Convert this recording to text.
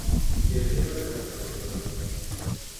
Elmi və bədii tərcümələri var.